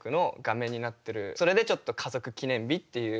それでちょっと「家族記念日」っていう。